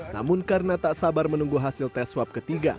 namun karena tak sabar menunggu hasil tes swab ketiga